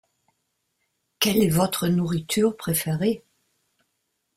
Quelle est votre nourriture préférée ?